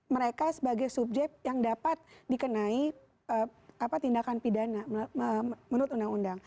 mereka sebagai subjek yang dapat dikenai tindakan pidana menurut undang undang